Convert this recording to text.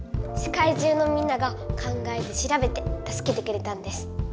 世界中のみんなが考えてしらべてたすけてくれたんです。